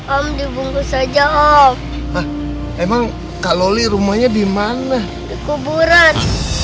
om dibungkus aja om emang kalau rumahnya di mana dikuburan